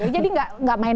jadi nggak main main